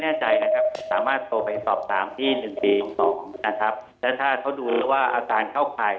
ถ้าเค้าดูแล้วว่าอาการเข้าไข่